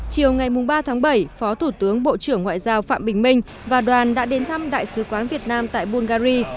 chiều ngày ba tháng bảy phó thủ tướng bộ trưởng ngoại giao phạm bình minh và đoàn đã đến thăm đại sứ quán việt nam tại bungary